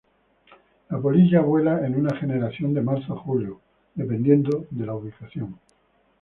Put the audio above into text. La polilla vuela en una generación de marzo a julio, dependiendo de la ubicación.